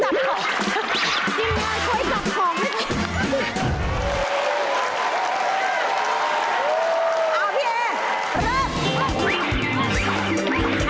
ทีมงานช่วยจับของ